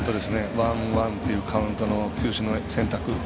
ワンワンというカウントの球種の選択